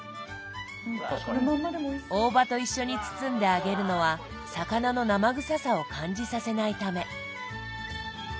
大葉と一緒に包んで揚げるのは魚の生臭さを感じさせないため。